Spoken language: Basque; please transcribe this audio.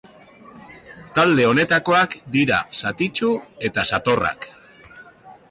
Talde honetakoak dira satitsu eta satorrak.